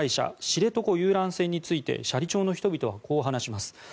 知床遊覧船について斜里町の人々はこう話します。